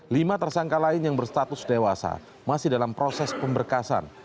lima tersangka lain yang berstatus dewasa masih dalam proses pemberkasan